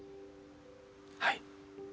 はい。